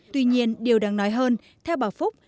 tuy nhiên điều đáng nói hơn theo bà phúc